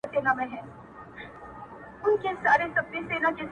پای لا هم خلاص پاته کيږي